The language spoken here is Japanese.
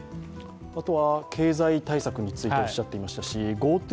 あとは経済対策についておっしゃってましたしＧｏＴｏ